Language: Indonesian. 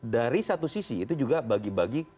dari satu sisi itu juga bagi bagi